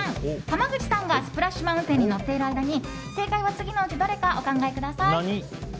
濱口さんがスプラッシュ・マウンテンに乗っている間に正解は次のうちどれかお考えください。